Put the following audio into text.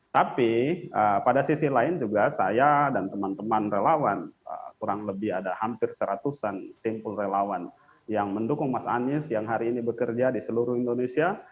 tapi pada sisi lain juga saya dan teman teman relawan kurang lebih ada hampir seratusan simpul relawan yang mendukung mas anies yang hari ini bekerja di seluruh indonesia